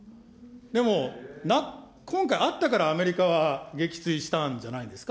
でも、今回、あったからアメリカは撃墜したんじゃないんですか。